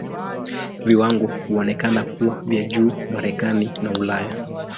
Viwango huonekana kuwa vya juu Marekani na Ulaya.